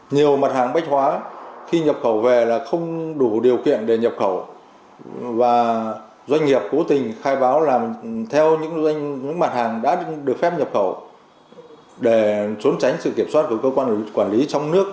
nhiều mặt hàng bách hóa khi nhập khẩu về là không đủ điều kiện để nhập khẩu và doanh nghiệp cố tình khai báo làm theo những mặt hàng đã được phép nhập khẩu để trốn tránh sự kiểm soát của cơ quan quản lý trong nước